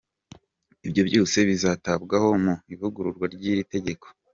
Ibyo byose bizitabwaho mu ivugururwa ry’iri tegeko.